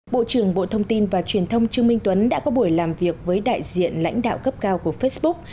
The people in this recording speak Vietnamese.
bộ trưởng bộ thông tin và truyền thông trương minh tuấn đã có buổi làm việc với đại diện lãnh đạo cấp cao của facebook